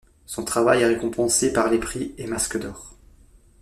Son travail est récompensé par les prix et Masque d'or.